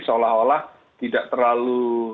seolah olah tidak terlalu